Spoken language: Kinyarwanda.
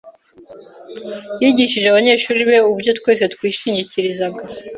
Yigishije abanyeshuri be uburyo twese twishingikirizaga.